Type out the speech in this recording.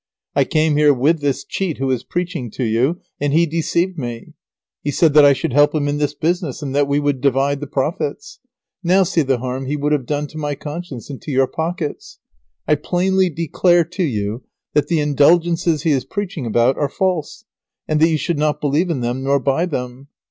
I came here with this cheat who is preaching to you, and he deceived me. He said that I should help him in this business, and that we would divide the profits. Now see the harm he would have done to my conscience and to your pockets. [Sidenote: Sham denunciation of the Indulgences by the constable.] I plainly declare to you that the Indulgences he is preaching about are false, and that you should not believe in them nor buy them.